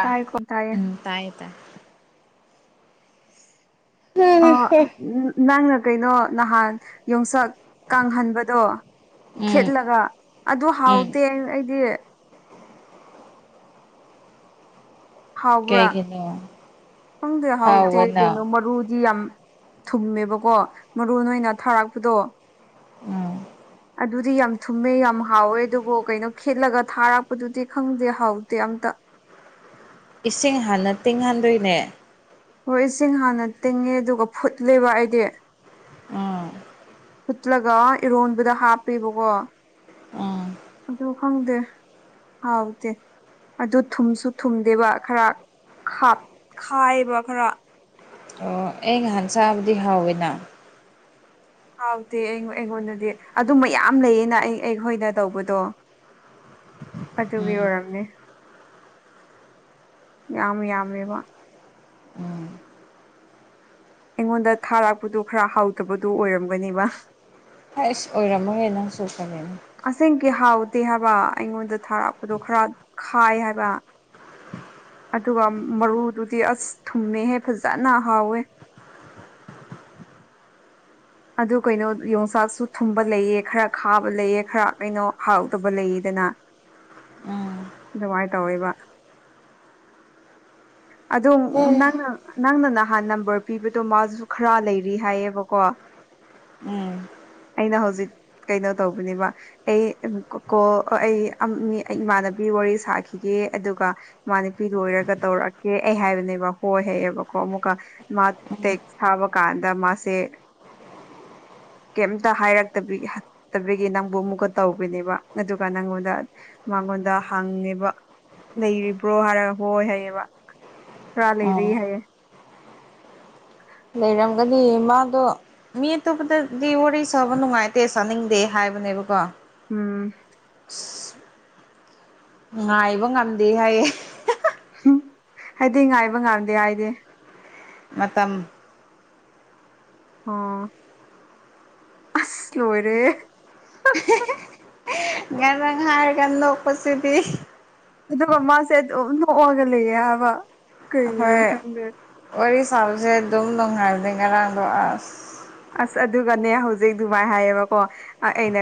ꯇꯥꯏꯀꯣ ꯇꯥꯏꯌꯦ ꯎꯝ ꯇꯥꯏ ꯇꯥꯏ ꯇꯥꯏ ꯑꯥ ꯅꯪꯅ ꯀꯩꯅꯣ ꯅꯍꯥꯟ ꯌꯣꯡꯆꯛ ꯀꯪꯍꯟꯕꯗꯣ ꯎꯝ ꯈꯦꯠꯂꯒ ꯑꯗꯨ ꯎꯝ ꯍꯥꯎꯇꯦ ꯑꯩꯗꯤ ꯍꯥꯎꯕ꯭ꯔꯥ ꯀꯩꯒꯤꯅꯣ ꯈꯪꯗꯦ ꯍꯥꯎꯇꯦ ꯀꯩꯅꯣ ꯍꯥꯎꯕꯅ ꯃꯔꯨꯗꯤ ꯌꯥꯝ ꯊꯨꯝꯃꯦꯕꯀꯣ ꯃꯔꯨ ꯑꯣꯏꯅ ꯊꯥꯔꯛꯄꯗꯣ ꯎꯝ ꯑꯗꯨꯗꯤ ꯌꯥꯝ ꯊꯨꯝꯃꯦ ꯌꯥꯝ ꯍꯥꯎꯋꯦ ꯑꯗꯨꯕꯨ ꯀꯩꯅꯣ ꯈꯦꯠꯂꯒ ꯊꯥꯔꯛꯄꯗꯨꯗꯤ ꯈꯪꯗꯦ ꯍꯥꯎꯇꯦ ꯑꯝꯇ ꯏꯁꯤꯡ ꯍꯥꯟꯅ ꯇꯤꯡꯍꯟꯗꯣꯏꯅꯦ ꯍꯣꯏ ꯏꯁꯤꯡ ꯍꯥꯟꯅ ꯇꯤꯡꯉꯦ ꯑꯗꯨꯒ ꯐꯨꯠꯂꯦꯕ ꯑꯩꯗꯤ ꯎꯝ ꯐꯨꯠꯂꯒ ꯏꯔꯣꯟꯕꯗ ꯍꯥꯞꯄꯦꯕꯀꯣ ꯎꯝ ꯑꯗꯣ ꯈꯪꯗꯦ ꯍꯥꯎꯇꯦ ꯑꯗꯨ ꯊꯨꯝꯁꯨ ꯊꯨꯝꯗꯦꯕ ꯈꯔ ꯈꯥꯏꯌꯦꯕ ꯈꯔ ꯑꯣ ꯑꯩ ꯉꯍꯥꯟꯆꯥꯕꯗꯤ ꯍꯥꯎꯋꯦꯅ ꯍꯥꯎꯇꯦ ꯑꯩ ꯑꯩꯉꯣꯟꯗꯗꯤ ꯑꯗꯨꯝꯕ ꯌꯥꯝ ꯂꯩꯌꯦꯅ ꯑꯩ ꯑꯩꯈꯣꯏꯗ ꯇꯧꯕꯗꯣ ꯑꯗꯨꯒꯤ ꯎꯝ ꯑꯣꯏꯔꯝꯅꯤ ꯌꯥꯝ ꯌꯥꯝꯃꯦꯕ ꯎꯝ ꯑꯩꯉꯣꯟꯗ ꯊꯥꯔꯥꯛꯄꯗꯨ ꯈꯔ ꯍꯥꯎꯇꯥꯕꯗꯨ ꯑꯣꯏꯔꯝꯒꯅꯦꯕ ꯑꯁ ꯑꯣꯏꯔꯝꯃꯒꯦ ꯅꯪꯁꯨ ꯈꯪꯌꯦꯅꯦ ꯑꯁꯦꯡ ꯀꯤ ꯍꯥꯎꯇꯦ ꯍꯥꯏꯕ ꯑꯩꯉꯣꯟꯗ ꯊꯥꯔꯛꯄꯗꯣ ꯈꯔ ꯈꯥꯏ ꯍꯥꯏꯕ ꯑꯗꯨꯒ ꯃꯔꯨꯗꯨꯗꯤ ꯑꯁ ꯊꯨꯝꯃꯦꯍꯦ ꯐꯖꯅ ꯍꯥꯎꯋꯦ ꯑꯗꯨ ꯀꯩꯅꯣ ꯌꯣꯡꯆꯥꯛꯁꯨ ꯊꯨꯝꯕ ꯂꯩꯑꯦ ꯈꯔ ꯈꯥꯕ ꯂꯩꯑꯦ ꯈꯔ ꯀꯩꯅꯣ ꯍꯥꯎꯗꯕ ꯂꯩꯗꯅ ꯎꯝ ꯑꯗꯨꯃꯥꯏ ꯇꯧꯋꯦꯕ ꯑꯗꯨꯝ ꯎꯝ ꯅꯪꯅ ꯅꯪꯅ ꯅꯍꯥꯟ ꯅꯝꯕꯔ ꯄꯤꯕꯗꯣ ꯃꯥꯁꯨ ꯈꯔ ꯂꯩꯔꯤ ꯍꯥꯏꯌꯦꯕꯀꯣ ꯎꯝ ꯑꯩꯅ ꯍꯧꯖꯤꯛ ꯀꯩꯅꯣ ꯇꯧꯕꯅꯦꯕ ꯑꯩ ꯀꯣ ꯑꯩ ꯑꯩ ꯏꯃꯥꯟꯅꯕꯤ ꯋꯥꯔꯤ ꯁꯥꯈꯤꯒꯦ ꯑꯗꯨꯒ ꯃꯥ ꯅꯨꯄꯤ ꯂꯣꯏꯔꯒ ꯇꯧꯔꯛꯀꯦ ꯑꯩ ꯍꯥꯏꯕꯅꯦꯕ ꯍꯣꯏ ꯍꯥꯏꯑꯦꯕꯀꯣ ꯑꯃꯨꯛꯀ ꯃꯥ ꯇꯦꯛ ꯊꯥꯕ ꯀꯥꯟꯗ ꯃꯥꯁꯦ ꯀꯩꯝꯇ ꯍꯥꯏꯔꯛꯇꯛꯇꯕꯤꯒꯤ ꯅꯪꯕꯨ ꯑꯃꯨꯛꯀ ꯇꯧꯕꯤꯅꯦꯕ ꯑꯗꯨꯒ ꯅꯪꯉꯣꯟꯗ ꯃꯉꯣꯟꯗ ꯍꯪꯉꯦꯕ ꯂꯩꯔꯤꯕ꯭ꯔꯣ ꯍꯥꯏꯔꯒ ꯍꯣꯏ ꯍꯥꯏꯌꯦꯕ ꯈꯔꯥ ꯂꯩꯔꯤ ꯑꯣ ꯍꯥꯏꯌꯦ ꯂꯩꯔꯝꯒꯅꯤ ꯃꯥꯗꯣ ꯃꯤ ꯑꯇꯣꯞꯄꯗꯗꯤ ꯋꯥꯔꯤ ꯁꯥꯕ ꯅꯨꯡꯉꯥꯏꯇꯦ ꯁꯥꯅꯤꯡꯗꯦ ꯍꯥꯏꯕꯅꯦꯕꯀꯣ ꯎꯝ ꯉꯥꯏꯕ ꯉꯝꯗꯦ ꯍꯥꯏꯌꯦ ꯍꯝ ꯑꯩꯗꯤ ꯉꯥꯏꯕ ꯉꯝꯗꯦ ꯍꯥꯏꯗꯤ ꯃꯇꯝ ꯑꯣ ꯑꯁ ꯂꯣꯏꯔꯦꯍꯦ ꯉꯔꯥꯡ ꯍꯥꯏꯔꯒꯥ ꯅꯣꯛꯄꯁꯤꯗꯤ ꯑꯗꯨꯒ ꯃꯥꯁꯦ ꯑꯗꯨꯝ ꯅꯣꯛꯑꯒ ꯂꯩꯌꯦ ꯍꯥꯏꯕ ꯀꯩꯩꯒꯤꯅꯣ ꯑꯩꯈꯣꯏ ꯈꯪꯗꯦ ꯋꯥꯔꯤ ꯁꯥꯕꯁꯦ ꯑꯗꯨꯝ ꯅꯨꯡꯉꯥꯏꯕꯅꯤ ꯉꯔꯥꯡꯗꯣ ꯑꯁ ꯑꯁ ꯑꯗꯨꯒꯅꯦ ꯍꯧꯖꯤꯛ ꯗꯨꯃꯥꯏ ꯍꯥꯏꯌꯦꯕꯀꯣ ꯑꯩꯅ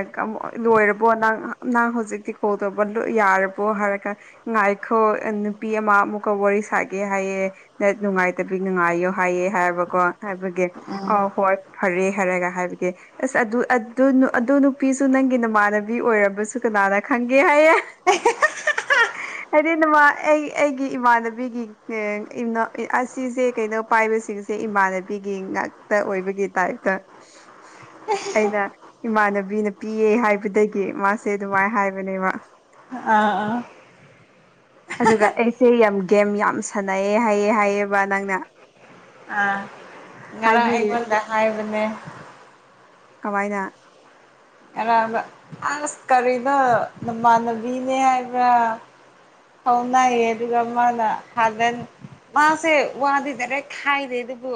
ꯂꯣꯏꯔꯕꯣ ꯅꯪ ꯅꯪ ꯍꯧꯖꯤꯛꯇꯤ ꯀꯣꯜ ꯇꯧꯕꯥ ꯂꯣꯏ ꯌꯥꯔꯕꯣ ꯍꯥꯏꯔꯀꯥꯟ ꯉꯥꯏꯈꯣ ꯅꯨꯄꯤ ꯑꯃ ꯑꯃꯨꯛꯀ ꯋꯥꯔꯤ ꯁꯥꯒꯦ ꯍꯥꯏꯌꯦ ꯅꯦꯠ ꯅꯨꯡꯉꯥꯏꯇꯕꯤ ꯅꯨꯡꯉꯥꯏꯌꯣ ꯍꯥꯏꯌꯦ ꯍꯥꯏꯕꯀꯣ ꯍꯥꯏꯕꯒꯤ ꯑ ꯍꯣꯏ ꯐꯔꯦ ꯍꯥꯔꯒ ꯍꯥꯏꯕꯒꯤ ꯑꯁ ꯑꯗꯨ ꯑꯗꯨ ꯅꯨꯄꯤꯁꯨ ꯅꯪꯒꯤ ꯅꯃꯥꯟꯅꯕꯤ ꯑꯣꯏꯔꯕꯁꯨ ꯀꯅꯥꯅ ꯈꯪꯒꯦ ꯍꯥꯏꯌꯦ [unintelligible] ꯑꯩꯗꯤ ꯅꯃꯥꯟ ꯑꯩ ꯑꯩꯒꯤ ꯏꯃꯥꯟꯅꯕꯤꯒꯤ ꯑꯁꯤꯁꯦ ꯀꯩꯅꯣ ꯄꯥꯏꯕꯁꯤꯡꯁꯦ ꯏꯃꯥꯟꯅꯕꯤꯒꯤ ꯉꯥꯛꯇ ꯑꯣꯏꯕꯒꯤ ꯇꯥꯏꯞꯇ ꯎ [inaudible] ꯑꯩꯅ ꯏꯃꯥꯟꯅꯕꯤꯅ ꯄꯤꯌꯦ ꯍꯥꯏꯕꯗꯒꯤ ꯃꯥꯁꯦ ꯑꯗꯨꯃꯥꯏꯅ ꯍꯥꯏꯕꯅꯦꯕ ꯑꯥ ꯑꯥ [inaudible] ꯑꯗꯨꯒ ꯑꯩꯁꯦ ꯌꯥꯝ ꯒꯦꯝ ꯌꯥꯝ ꯁꯥꯟꯅꯩꯑꯦ ꯍꯥꯏꯑꯦ ꯍꯥꯏꯑꯦꯕ ꯅꯪꯅ ꯑꯥ ꯉꯥꯔꯥꯡ ꯍꯥꯏꯕꯤꯔ ꯑꯩꯉꯣꯟꯗꯥ ꯍꯥꯥꯢꯕꯅꯦ ꯀꯃꯥꯏꯅ ꯉꯔꯥꯡꯗꯣ ꯑꯁ ꯀꯔꯤꯅꯣ ꯅꯃꯥꯟꯅꯕꯤꯅꯦ ꯍꯥꯏꯕ꯭ꯔꯥ ꯐꯥꯎꯅꯩꯌꯦ ꯗꯨꯒ ꯃꯥꯅ ꯊꯥꯒꯟ ꯃꯥꯁꯦ ꯋꯥꯗꯤ ꯗꯤꯔꯦꯛ ꯈꯥꯏꯗꯦ ꯑꯗꯨꯕꯨ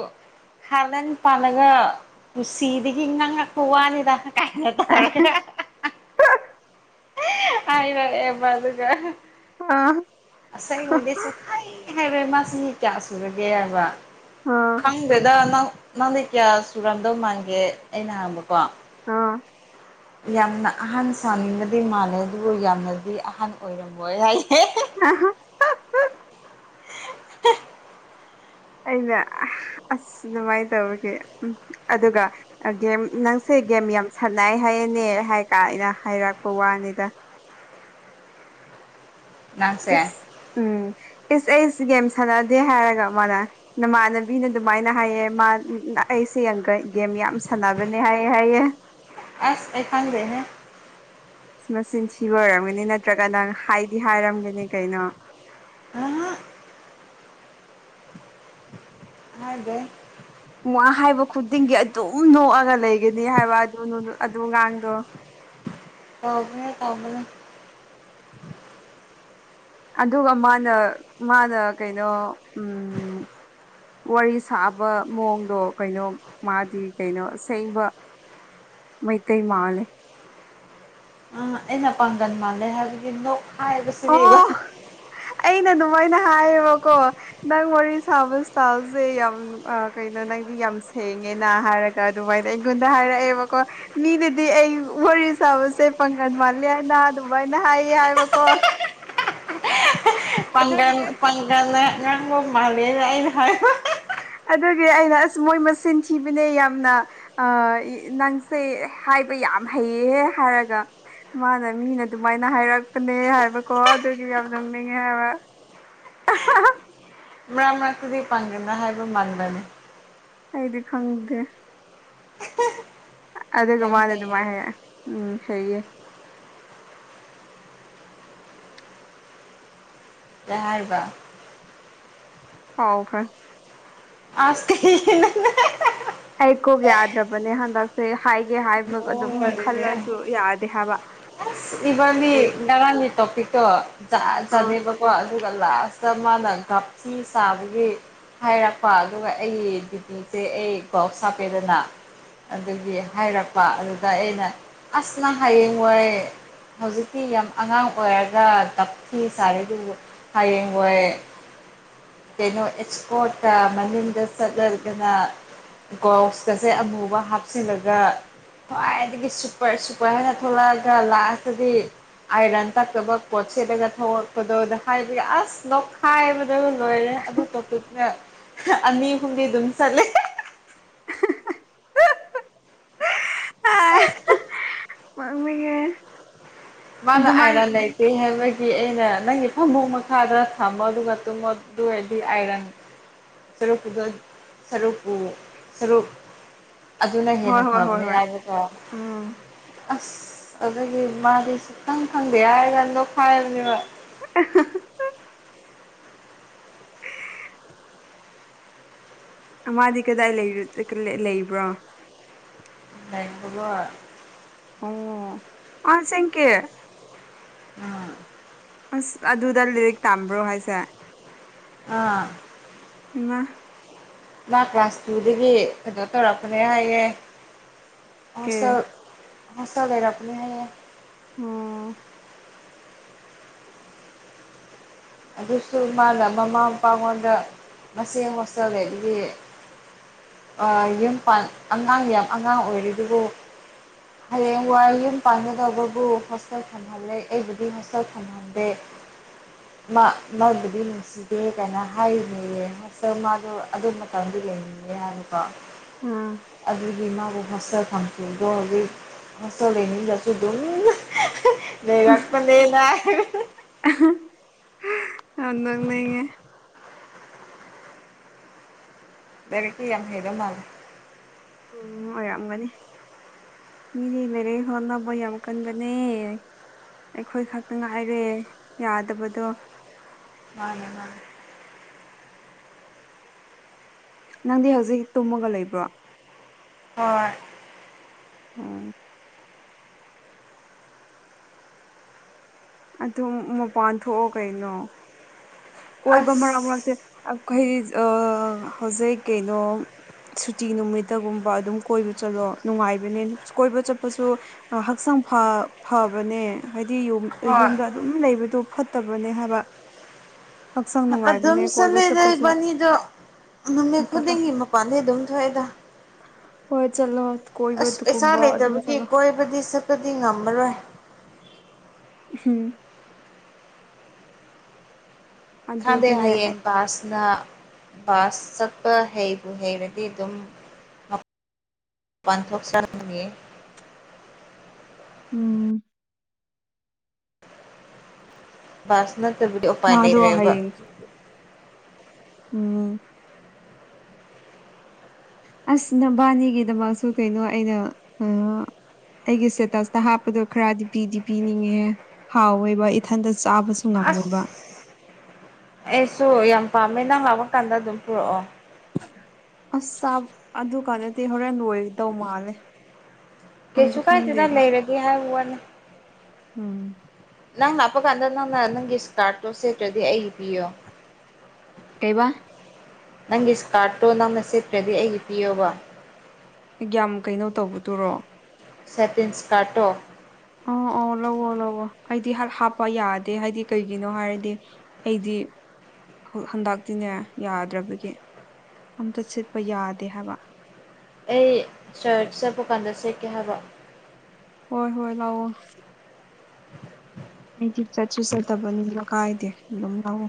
ꯍꯥꯥ ꯅꯪ ꯄꯥꯜꯂꯒ ꯎꯁꯤꯗꯒꯤ ꯉꯥꯡꯉꯛꯄ ꯋꯥꯅꯤꯗ ꯀꯥꯏꯅ ꯇꯧꯔꯒ ꯍꯥꯏꯔꯛ ꯑꯦꯕ ꯑꯗꯨꯒ ꯑꯥ ꯑꯁꯦꯡꯕꯒꯤꯁꯨ ꯍꯩ ꯍꯥꯏꯔꯦ ꯃꯥꯁꯤ ꯆꯍꯤ ꯀꯌꯥ ꯁꯨꯔꯒꯦ ꯍꯥꯏꯕ ꯑꯥ ꯈꯪꯗꯦꯗ ꯅꯪ ꯅꯪꯗꯤ ꯀꯌꯥ ꯁꯨꯔꯝꯗꯧ ꯃꯥꯟꯒꯦ ꯑꯩꯅ ꯍꯪꯕꯀꯣ ꯑꯥ ꯌꯥꯝꯅ ꯑꯍꯟ ꯁꯥꯥꯟꯅꯤꯡꯕꯗꯤ ꯃꯥꯜꯂꯦ ꯑꯗꯨꯕꯨ ꯌꯥꯝꯅꯗꯤ ꯑꯍꯟ ꯑꯣꯏꯔꯝꯃꯣꯏ ꯍꯥꯏꯌꯦ ꯑ [inaudible] ꯑꯩꯅ ꯑꯁ ꯑꯗꯨꯃꯥꯏꯅ ꯇꯧꯕꯁ ꯑꯗꯨꯒ ꯒꯦꯝ ꯅꯪꯁꯦ ꯒꯦꯝ ꯌꯥꯝ ꯁꯥꯟꯅꯩ ꯍꯥꯏꯌꯦꯅꯦ ꯍꯥꯏ ꯀꯥꯏꯅ ꯍꯥꯏꯔꯛꯄ ꯋꯥꯅꯤꯗ ꯅꯪꯁꯦ ꯏꯁ ꯎꯝ ꯏꯁ ꯑꯩꯁ ꯒꯦꯝ ꯁꯥꯟꯅꯗꯦ ꯍꯥꯏꯔꯒ ꯃꯥꯅ ꯅꯃꯥꯟꯅꯕꯤꯅ ꯑꯗꯨꯃꯥꯏꯅ ꯍꯥꯏꯑꯦ ꯃꯥ ꯑꯩꯁꯦ ꯒꯦꯝ ꯌꯥꯝ ꯁꯥꯟꯅꯕꯅꯦ ꯍꯥꯏꯑꯦ ꯍꯥꯏꯑꯦ ꯑꯁ ꯑꯩꯈꯪꯗꯦꯍꯦ ꯃꯆꯤꯟ ꯊꯤꯕ ꯑꯣꯏꯔꯝꯒꯅꯤ ꯅꯠꯇ꯭ꯔꯒ ꯅꯪ ꯍꯥꯏꯗꯤ ꯍꯥꯏꯔꯝꯒꯅꯤ ꯀꯩꯅꯣ ꯑꯍꯥ ꯍꯥꯏꯗꯦ ꯋꯥ ꯍꯥꯏꯕ ꯈꯨꯗꯤꯡꯒꯤ ꯑꯗꯨꯝ ꯅꯣꯛꯑꯒ ꯂꯩꯒꯅꯤ ꯍꯥꯏꯕ ꯑꯗꯨ ꯑꯗꯨ ꯑꯉꯥꯡꯗꯣ ꯇꯧꯕꯅꯦ ꯇꯧꯕꯅꯦ ꯑꯗꯨꯒ ꯃꯥꯅ ꯃꯥꯅ ꯀꯩꯅꯣ ꯎꯝ ꯋꯥꯔꯤ ꯁꯥꯕ ꯃꯑꯣꯡꯗꯣ ꯀꯩꯅꯣ ꯃꯥꯗꯤ ꯀꯩꯅꯣ ꯑꯁꯦꯡꯕ ꯃꯩꯇꯩ ꯃꯥꯜꯂꯦ ꯏꯟꯅ ꯄꯥꯡꯒꯟ ꯃꯥꯂꯦ ꯍꯥꯏꯕꯒꯤ ꯅꯣꯛ ꯍꯥꯏꯕꯁꯤꯗꯤꯕ ꯑꯣ ꯑꯩꯅ ꯑꯗꯨꯃꯥꯏꯅ ꯍꯥꯏꯌꯦꯕꯀꯣ ꯅꯪ ꯋꯥꯔꯤ ꯁꯥꯕ ꯏꯁꯇꯥꯜꯁꯦ ꯌꯥꯝ ꯀꯩꯅꯣ ꯅꯪꯗꯤ ꯌꯥꯝ ꯁꯦꯡꯉꯦꯅ ꯍꯥꯏꯔꯒ ꯑꯗꯨꯃꯥꯏꯅ ꯑꯩꯉꯣꯟꯗ ꯍꯥꯏꯔꯛꯑꯦꯕꯀꯣ ꯃꯤꯅꯗꯤ ꯑꯩ ꯋꯥꯔꯤ ꯁꯥꯕꯁꯦ ꯄꯪꯒꯟ ꯃꯥꯜꯂꯦ ꯍꯥꯏꯅ ꯑꯗꯨꯃꯥꯏꯅ ꯍꯥꯏꯌꯦ ꯍꯥꯏꯕꯀꯣ ꯄꯒ ꯑꯗꯨꯒꯤ ꯄꯒꯅ ꯉꯥꯡꯕ ꯃꯥꯂ ꯑꯩꯅ ꯍꯥꯏꯕ ꯑꯗꯨꯒꯤ ꯑꯩꯅ ꯑꯁ ꯃꯣꯏ ꯃꯤꯆꯤꯟ ꯊꯤꯕꯅꯦ ꯌꯥꯝꯅ ꯑ ꯅꯪꯁꯦ ꯍꯥꯏꯕ ꯌꯥꯝ ꯍꯩꯌꯦ ꯍꯥꯏꯔꯒ ꯃꯥꯅ ꯃꯤꯅ ꯑꯗꯨꯃꯥꯏꯅ ꯍꯥꯏꯔꯛꯄꯅꯦ ꯍꯥꯏꯕꯀꯣ ꯑꯗꯨꯒꯤ ꯌꯥꯝ ꯅꫭꯛꯅꯤꯡꯉꯦ ꯍꯥꯏꯕ ꯑꯍꯥꯍꯥ ꯃ꯭ꯔꯛ ꯃꯔꯛꯇꯗꯤ ꯄꯥꯡꯒꯜꯅ ꯍꯥꯏꯕ ꯃꯥꯟꯕꯅꯤ ꯑꯩꯗꯤ ꯈꯪꯗꯦ ꯑꯗꯨꯒ ꯌꯥꯝ ꯃꯥꯅ ꯍꯩꯌꯦ ꯑꯗꯨꯃꯥꯏꯅ ꯎꯝ ꯁꯩꯌꯦ ꯍꯔꯔꯕ [inaudible] ꯍꯥꯎ ꯐꯔꯦ [inaudible] ꯑꯁ ꯀꯩꯒꯤꯅꫭꯅꯦ ꯑꯩ ꯀꫭꯛ ꯌꯥꯗꯔꯕꯅꯦ ꯍꯥꯟꯗꯛ ꯍꯥꯏꯒꯦ ꯍꯥꯏꯕ ꯃꯑꯣꯡ ꯑꯗꯨꯝ ꯃꯔꯤꯜ ꯈꯜꯂꯁꯨ ꯌꯥꯗꯦ ꯍꯥꯏꯕ ꯑꯁ ꯑꫯꯕꯅꯤ ꯀꯔꯤ ꯅꯔꯥꯡꯒꯤ ꯇꯣꯄꯤꯛꯇꯣ ꯖꯥꯠ ꯖꯥꯠ ꯑꯥ ꯅꯦꯕꯀꫭ ꯑꯗꯨꯒ ꯂꯥꯁ ꯇ ꯃꯅꯥ ꯒꯥꯞꯊꯤ ꯁꯥꯕꯁꯤ ꯍꯥꯏꯔꯛꯄ ꯑꯗꯨꯒ ꯑꯩ ꯗꯤꯄꯤꯁꯦ ꯑꯩ ꯀꯣꯛ ꯁꯥꯞ ꯍꯥꯄꯦꯗꯅ ꯑꯗꯨꯒꯤ ꯍꯥꯏꯔꯛꯄ ꯑꯗꯨꯗ ꯑꯩꯅ ꯑꯁ ꯅꯪ ꯍꯌꯦꯡꯋꯥꯏ ꯍꯧꯖꯤꯛꯇꯤ ꯌꯥꯝ ꯑꯉꯥꯡ ꯑꯣꯏꯔꯒ ꯇꯞꯈꯤ ꯁꯥꯔꯦ ꯑꯗꯨꯖꯨ ꯍꯌꯦꯡꯋꯥꯏ ꯀꯩꯅꯣ ꯑꯦꯛꯁꯄꯣꯔꯠꯇ ꯃꯅꯤꯡꯗ ꯆꯠꯂꯔꯒꯅ ꯒꯥꯎꯁꯀꯁꯦ ꯑꯃꯨꯕ ꯍꯥꯞꯆꯤꯜꯂꯒ ꯈ꯭ꯋꯥꯏꯗꯒꯤ ꯁꯨꯄꯔ ꯁꯨꯄꯔ ꯍꯥꯏꯅ ꯊꯣꯛꯂꯛꯑꯒ ꯂꯥꯁꯇꯗꯤ ꯑꯩꯅ ꯇꯛꯇꯕ ꯄꯣꯖ ꯁꯦꯠꯂꯒ ꯊꫭꯛꯂꯛ ꯄꯗꫭ ꯍꯥꯏꯗꯤ ꯑꯥꯁ ꯅꫭꯛꯈꯥꯏꯕꯗꫭ ꯂꯣꯏꯔꯦ ꯑꯗꯨ ꯄꯣꯠꯇꯨꯅ ꯑꯅꯤ ꯍꯨꯝꯗꯤ ꯑꯗꯨꯝ ꯆꯠꯂꯦ [unintelligible] ꯅꫭꯛꯅꯤꯡ ꯉꯦꯍꯦ ꯃꯥꯅ ꯑꯥꯏꯔ ꯂꯩ ꯀꯩ ꯍꯥꯏꯕꯒꯤ ꯑꯩꯅ ꯅꯪꯒꯤ ꯐꯝꯕꯣꯛ ꯃꯈꯥꯗ ꯊꯝꯃꯣ ꯑꯗꯨꯒ ꯇꯨꯝꯃꯣ ꯑꯗꯨꯒꯔꯗꯤ ꯑꯥꯏꯔꯟ [inaudible] ꯑꯗꯨꯅ ꯍꯣꯏ ꯍꯦꯟꯅ ꯍꯣꯏ ꯍꯣꯏ ꯐꯕꯅꯤ ꯍꯣꯏ ꯍꯥꯏꯕꯀꫭ ꯎꯝ ꯑꯁ ꯑꯗꯨꯗꯒꯤ ꯃꯥꯗꯤ ꯁꯨꯡꯈꯡ ꯈꯪꯗꯦ ꯍꯥꯏꯔꯅꯗꯣꯛꯈꯥꯏꯕꯅꯦꯕ [unintelligible] ꯃꯥꯗꯤ ꯀꯗꯥꯏ ꯂꯩꯕ꯭ꯔꯣ ꯂꯩꯏꯕꯕ ꯑꯁꯦꯡꯀꯤ ꯎꯝ ꯑꯁ ꯑꯗꯨꯗ ꯂꯤꯔꯤꯛ ꯇꯥꯝꯕ꯭ꯔꯣ ꯍꯥꯏꯁꯦ ꯑꯥ ꯏꯉꯥ ꯃꯥ ꯀ꯭ꯂꯥꯁ ꯇꯨꯗꯒꯤ ꯀꯩꯅꯣ ꯇꯧꯔꯛꯄꯅꯦ ꯍꯥꯏꯌꯦꯦ ꯑ ꯀꯦ ꯁꯔ ꯍꯁꯒꯔ ꯄꯨꯅꯤ ꯍꯥꯏ ꯑꯣ ꯑꯗꯨꯁꯨ ꯃꯥꯅ ꯃꯃꯥ ꯃꯄꯥꯉꯣꯟꯗ ꯃꯆꯦ ꯃꯆꯟ ꯂꯩꯕꯒꯤ ꯌꯨꯝ ꯄꯥꯟ ꯑꯉꯥꯡ ꯌꯥꯝ ꯑꯉꯥꯡ ꯑꯣꯏꯔꯤ ꯑꯗꯨꯕꯨ ꯍꯌꯦꯡ ꯋꯥꯔꯤ ꯌꯨꯝ ꯄꯥꯟꯒꯗꯕꯕꯨ ꯍꯣꯁꯦꯜ ꯊꯝ ꯝꯍꯂꯦ ꯑꯩꯕꯨꯗꯤ ꯃꯁꯛ ꯐꯝꯍꯟꯗꯦ ꯃꯥꯕꯨꯗꯤ ꯅꯨꯡꯁꯤꯗꯦ ꯀꯥꯏꯅ ꯍꯥꯏꯅꯦꯌꯦ ꯑꯔ ꯃꯥꯗꯣ ꯑꯗꯨ ꯃꯇꯝꯗ ꯌꯦꯡꯅꯤꯡꯉꯦ ꯍꯥꯏꯅꯀꯣ ꯎꯝ ꯑꯗꯨꯗꯤ ꯃꯥꯕꯨ ꯐꯁꯆ ꯐꯪꯈꯤ ꯑꯗꯣ ꯍꯧꯖꯤꯛ ꯍꯁ ꯂꯩꯅꯤ ꯅꯁꯨ ꯑꯗꯨꯝ ꯂꯩꯔꯥꯛ ꯄ ꯂꯩꯅ ꯑꯗ ꯂꯩꯉꯦ ꯕꯔ ꯀ ꯌꯥꯝ ꯍꯗ ꯃꯥ ꯎꯝ ꯑꯣꯏꯔꯝꯝꯒꯅꯤ ꯃꯤꯗꯤ ꯂꯩꯔꯦ ꯍꯣꯠꯅꯕ ꯌꯥꯝ ꯀꯟꯕꯅꯦ ꯑꯩꯈꯣꯏ ꯈꯛꯇ ꯉꯥꯏꯔꯦ ꯌꯥꯗꯕꯗꯣ ꯃꯥꯅꯦ ꯃꯥ ꯅꯪꯗꯤ ꯍꯧꯖꯤꯛ ꯇꯨꯝꯃꯒ ꯂꯩꯕ꯭ꯔꯣ ꯍꯣꯏ ꯑꯣ ꯑꯗꯨꯝ ꯃꯄꯥꯟ ꯊꯣꯛꯑꯣ ꯀꯩꯅꯣ ꯀꯣꯏꯕ ꯃꯔꯛ ꯃꯔꯛꯇꯦ ꯑꯁ ꯑꯩꯈꯣꯏ ꯍꯧꯖꯤꯛ ꯀꯩꯅꯣ ꯁꯨꯇꯤ ꯅꯨꯃꯤꯠꯇꯒꯨꯝꯕ ꯑꯗꯨꯝ ꯀꯣꯏꯕ ꯆꯠꯂꯣ ꯅꯨꯡꯉꯥꯏꯕꯅꯦ ꯀꯣꯏꯕ ꯆꯠꯄꯁꯨ ꯍꯛꯆꯥꯡ ꯐꯕꯅꯦ ꯍꯥꯏꯗꯤ ꯌ ꯍꯣꯏ ꯌꯨꯝꯗ ꯑꯗꯨꯝ ꯂꯩꯕꯗꯣ ꯐꯠꯇꯕꯅꯦ ꯍꯥꯏꯕ ꯍꯛꯆꯥꯡ ꯑꯗꯨꯝ ꯅꯨꯡꯉꯥꯏꯕꯅꯦ ꯀꯣꯏꯕ ꯆꯠꯂ ꯆꯠꯄꯁꯨ ꯂꯩꯕꯥꯅꯤꯗꯣ ꯅꯨꯃꯤꯠ ꯆꯠꯂꯣ ꯈꯨꯗꯤꯡꯒꯤ ꯃꯄꯥꯟꯗꯒꯤꯩ ꯑꯗꯨꯝ ꯊꯣꯛꯑꯦꯗ ꯍꯣꯏ ꯆꯠꯂꯣ ꯀꯣꯏꯕꯗꯨꯨꯀꯨꯝꯕ ꯑꯗꯨꯝ ꯆꯠꯂꯣ ꯍꯥꯏꯕꯗꯤ ꯁꯛꯄꯗꯤ ꯉꯝꯃꯔꯣꯏ ꯍꯝ ꯈꯪꯗꯩ ꯑꯗꯨꯗꯤꯅꯦ ꯍꯌꯦꯡ ꯕꯥꯁꯅ ꯕꯥꯁ ꯆꯠꯄ ꯍꯩꯕꯨ ꯍꯩꯔꯗꯤ ꯑꯗꯨꯝ ꯄꯥꯟꯊꯣꯛ ꯁꯥꯟꯅꯤ ꯎꯝ ꯕꯥꯁꯅꯕ ꯃꯥꯗꯣ ꯑꯣꯄꯥꯟꯅꯔꯦꯕ ꯍꯌꯦꯡ ꯎꯝ ꯑꯁ ꯅꯕꯥꯅꯤꯒꯤꯗꯃꯛꯁꯨ ꯀꯩꯅꯣ ꯑꯩꯅ ꯑꯩꯒꯤ ꯁꯇꯦꯇꯁꯇ ꯍꯥꯞꯄꯗꯣ ꯈꯔꯗꯤ ꯄꯤꯗꯤ ꯄꯤꯅꯤꯡꯉꯦ ꯍꯥꯎꯋꯦꯕ ꯏꯊꯟꯇ ꯆꯥꯕꯁꯨ ꯑꯁ ꯉꯝꯃꯣꯏꯕ ꯑꯩꯁꯨ ꯌꯥꯝ ꯄꯥꯝꯃꯦ ꯅꯍꯪ ꯂꯥꯛꯄ ꯀꯥꯟꯗ ꯑꯗꯨꯝ ꯄꯨꯔꯛꯑꯣ ꯑꯁ ꯑꯗꯨ ꯀꯥꯟꯅꯗꯤ ꯍꯣꯔꯦꯟ ꯂꯣꯏꯗꯧ ꯃꯥꯜꯂꯦ ꯈꯪꯗꯤ ꯀꯩꯁꯨ ꯀꯥꯏꯗꯗ ꯈꯪꯗꯦꯕ ꯂꯩꯔꯒꯦ ꯍꯥꯏꯕ ꯋꯥꯠꯅꯤ ꯎꯝ ꯅꯪ ꯂꯥꯛꯄ ꯀꯥꯟꯗ ꯅꯪꯅ ꯅꯪꯒꯤ ꯏꯁꯀꯥꯔꯠꯇꯣ ꯁꯦꯠꯇ꯭ꯔꯗꯤ ꯑꯩ ꯄꯤꯌꯣ ꯀꯩꯕ ꯅꯪꯒꯤ ꯏꯁ ꯀꯥꯔꯠꯇꯣ ꯅꯪꯅ ꯁꯦꯠꯠꯇ꯭ꯔꯗꯤ ꯑꯩꯒꯤ ꯄꯤꯌꯣꯕ ꯒ꯭ꯌꯥꯝ ꯀꯩꯅꯣ ꯇꯧꯕꯗꯨꯔꯣ ꯁꯦꯇꯤꯟꯁꯀꯥꯇꯣ ꯑ ꯑꯣ ꯂꯧꯑꯣ ꯂꯧꯑꯣ ꯍꯥꯏꯗꯤ ꯍꯥꯞꯄ ꯌꯥꯗꯦ ꯍꯥꯏꯗꯤ ꯀꯩꯒꯤꯅꯣ ꯍꯥꯏꯔꯗꯤ ꯑꯩꯗꯤ ꯍꯟꯗꯛꯇꯤꯅꯦ ꯌꯥꯗ꯭ꯔꯕꯒꯤ ꯑꯝꯇ ꯁꯤꯠꯄ ꯌꯥꯗꯦ ꯍꯥꯏꯕ ꯑꯩ ꯆꯔꯆ ꯆꯠꯄꯀꯥꯟꯗ ꯁꯦꯠꯀꯦ ꯍꯥꯏꯕ ꯍꯣꯏ ꯍꯣꯏ ꯂꯥꯛꯑꯣ [inaudible] ꯑꯩꯗꯤ ꯆꯠꯁꯨ ꯆꯠꯇꯕꯅꯤꯅ ꯀꯥꯏꯗꯦ ꯑꯗꯨꯝ ꯂꯧꯑꯣ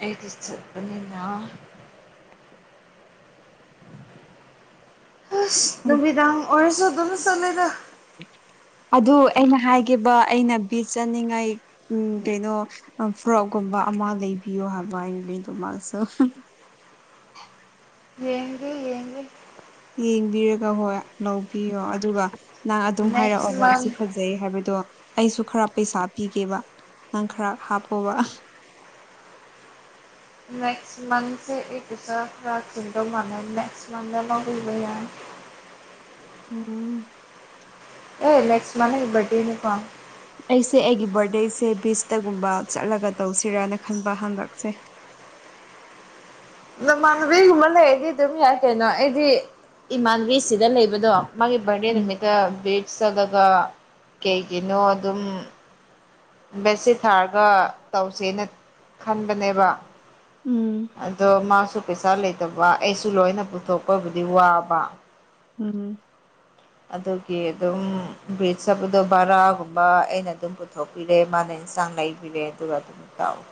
ꯑꯩꯗꯤ ꯆꯄꯅꯤꯅ ꯀꯩ ꯅꯨꯃꯤꯗꯥꯡ ꯑꯣꯏꯔꯁꯨ ꯑꯗꯨꯅ ꯆꯠꯂꯦꯗ ꯑꯗꯨ ꯑꯩꯅ ꯍꯥꯏꯈꯤꯕ ꯑꯩꯅ ꯕꯤ ꯆꯠꯅꯤꯡꯉꯥꯏ ꯎꯝ ꯀꯩꯅꯣ ꯐ꯭ꯔꯣꯛꯀꯨꯝꯕ ꯑꯃ ꯂꯩꯕꯤꯌꯣ ꯍꯥꯏꯕ ꯑꯩ ꯃꯤꯗꯨꯃꯁꯨ ꯌꯦꯡꯗꯤ ꯌꯦꯡ ꯌꯦꯡꯕꯤꯔꯒ ꯍꯣꯏ ꯂꯧꯕꯤꯌꯣ ꯑꯗꯨꯒ ꯅꯪ ꯑꯗꯨꯝ ꯅꯦꯛꯁ ꯍꯥꯏꯔꯛꯑꯕ ꯃꯟ ꯁꯤ ꯐ ꯑꯗꯩ ꯍꯥꯏꯕꯗꯣ ꯑꯩꯁꯨ ꯈꯔ ꯄꯩꯁꯥ ꯄꯤꯒꯦꯕ ꯅꯪ ꯈꯔ ꯍꯥꯞꯄꯣꯕ ꯅꯦꯛꯁ ꯃꯥꯟꯊꯁꯦ ꯑꯦꯀꯆꯥꯥ ꯐꯥ ꯈꯟꯗꯧ ꯃꯥꯅꯦ ꯅꯦꯛꯁ ꯃꯥꯟꯊ ꯂꯥꯎꯒꯕꯏ ꯎꯝ ꯑꯦ ꯂꯦꯛꯁꯃꯕꯥꯦ ꯅꯪꯒꯤ ꯕꯥꯔꯗꯌꯦ ꯅꯤꯀꯣ꯫ ꯑꯩꯁꯦ ꯑꯩꯒꯤ ꯕꯥꯔꯗꯦꯁꯦ ꯕꯤꯁꯇꯒꯨꯝꯕ ꯆꯠꯂꯒ ꯇꯧꯁꯤꯔꯅ ꯈꯟꯕ ꯍꯪꯗꯛꯁꯦ ꯅꯃꯥꯟꯅꯕꯤꯒꯨꯝꯕ ꯂꯩꯔꯗꯤ ꯑꯗꯨꯝ ꯌꯥꯏ ꯀꯩꯅꯣ ꯑꯩꯗꯤ ꯏꯃꯥꯟꯕꯤꯁꯤꯗ ꯂꯩꯕꯗꯣ ꯃꯥꯒꯤ ꯕꯥꯔꯗꯦ ꯎꯝ ꯅꯨꯃꯤꯠꯇ ꯕꯤꯠꯁ ꯆꯠꯂꯒ ꯀꯩꯒꯤꯅꯣ ꯑꯗꯨꯝ ꯚꯦꯁꯁꯦ ꯊꯥꯔꯒ ꯇꯧꯁꯦꯅ ꯈꯟꯕꯅꯦꯕ ꯎꯝ ꯑꯗꯣ ꯃꯥꯁꯨ ꯄꯩꯁꯥ ꯂꯩꯇꯕ ꯑꯩꯁꯨ ꯂꯣꯏꯅ ꯄꯨꯊꯣꯛꯄꯕꯨꯗꯤ ꯋꯥꯕ ꯎꯝ ꯑꯗꯨꯒꯤ ꯑꯗꯨꯝ ꯕ꯭ꯔꯤꯖꯞꯗꯣ ꯕꯔꯥꯒꯨꯝꯕ ꯑꯩꯅ ꯑꯗꯨꯝ ꯄꯨꯊꯣꯛꯄꯤꯔꯦ ꯃꯥꯅ ꯏꯟꯁꯥꯡ ꯂꯩꯕꯤꯔꯦ ꯑꯗꯨꯒ ꯑꯗꯨꯝ ꯇꯥꯎꯑꯣ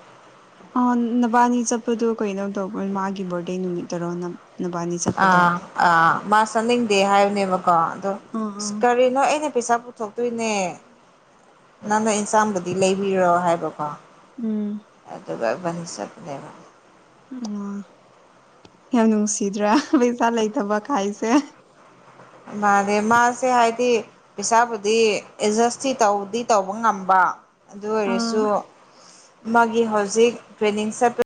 ꯑꯥ ꯅꯕꯥꯅꯤ ꯆꯠꯄꯗꯣ ꯀꯩꯅꯣ ꯇꯧꯕ ꯃꯥꯒꯤ ꯕꯔꯗꯦ ꯅꯨꯃꯤꯠꯇꯔꯣ ꯅ ꯅꯕꯥꯅꯤ ꯆ ꯑꯥ ꯑꯥ ꯃꯥ ꯆꯠꯅꯤꯡꯗꯦ ꯍꯥꯏꯕꯅꯦꯕꯀꯣ ꯑꯗꯣ ꯑꯥ ꯑꯥ ꯀꯔꯤꯅꯣ ꯑꯩꯅ ꯄꯩꯁꯥ ꯄꯨ ꯊꯣꯛꯇꯣꯏꯅꯦ ꯅꯪꯅ ꯏꯟꯁꯥꯡꯕꯨꯗꯤ ꯂꯩꯕꯤꯔꯣ ꯍꯥꯏꯕꯀꯣ ꯎꯝ ꯑꯗꯨꯒ ꯏꯕꯥꯅꯤ ꯆꯠꯄꯅꯦꯕ ꯑꯣ ꯌꯥꯝ ꯅꯨꯡꯁꯤꯗ꯭ꯔꯥ ꯕꯣꯏꯐꯥ ꯂꯩꯇꯕ ꯀꯥꯏꯁꯦ ꯃꯥꯅꯦ ꯃꯥꯁꯦ ꯍꯥꯏꯗꯤ ꯄꯩꯁꯥꯕꯨꯗꯤ ꯑꯦꯗꯖꯁꯇꯤ ꯇꯧꯗꯤ ꯇꯧꯕ ꯉꯝꯕ ꯑꯗꯨ ꯑꯥ ꯑꯣꯏꯔꯁꯨ ꯃꯥꯒꯤ ꯍꯧꯖꯤꯛ ꯇ꯭ꯔꯦꯅꯤꯡ ꯆꯠꯄ